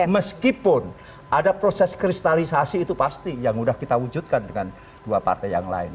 meskipun ada proses kristalisasi itu pasti yang sudah kita wujudkan dengan dua partai yang lain